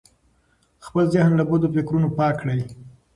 خپل ذهن له بدو فکرونو پاک کړئ.